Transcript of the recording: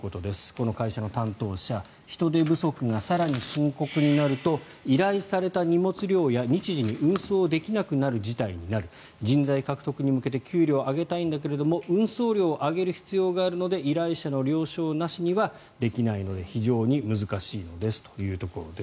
この会社の担当者人手不足が更に深刻になると依頼された荷物量や日時に運送できなくなる事態になる人材獲得に向けて給料を上げたいんだけれども運送料を上げる必要があるので依頼者の了承なしにはできないので非常に難しいのですということです。